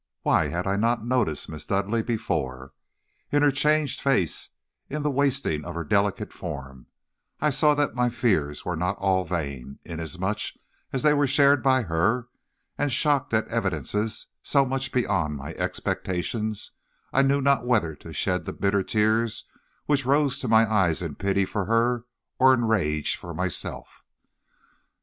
why had I not noticed Miss Dudleigh before! In her changed face, and in the wasting of her delicate form, I saw that my fears were not all vain, inasmuch as they were shared by her; and shocked at evidences so much beyond my expectations, I knew not whether to shed the bitter tears which rose to my eyes in pity for her or in rage for myself.